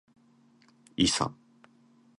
いさ